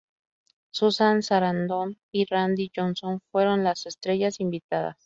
Susan Sarandon y Randy Johnson fueron las estrellas invitadas.